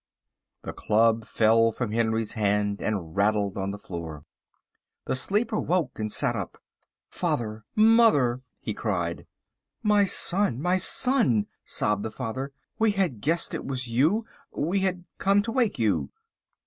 The club fell from Henry's hand and rattled on the floor. The sleeper woke, and sat up. "Father! Mother!" he cried. "My son, my son," sobbed the father, "we had guessed it was you. We had come to wake you."